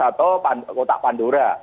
atau kota pandora